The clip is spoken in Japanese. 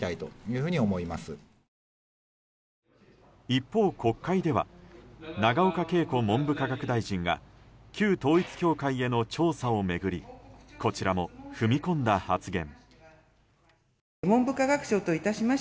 一方、国会では永岡桂子文部科学大臣が旧統一教会への調査を巡りこちらも踏み込んだ発言。